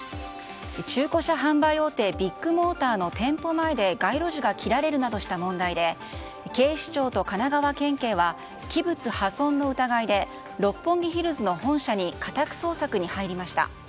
中古車販売大手ビッグモーターの店舗前で街路樹が切られるなどした問題で警視庁と神奈川県警は器物破損の疑いで六本木ヒルズの本社に家宅捜索に入りました。